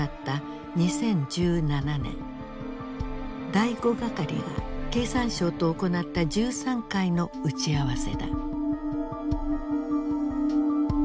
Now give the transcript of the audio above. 第五係が経産省と行った１３回の打ち合わせだ。